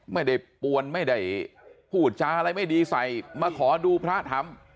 ไม่ได้ปวนไม่ได้พูดจ้าอะไรไม่ดีใส่มาขอดูพระทำ